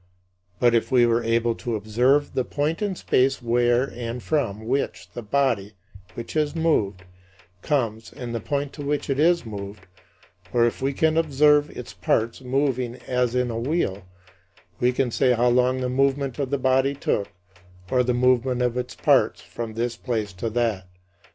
But if we were able to observe the point in space where and from which the body, which is moved, comes and the point to which it is moved; or if we can observe its parts moving as in a wheel, we can say how long the movement of the body took or the movement of its parts from this place to that.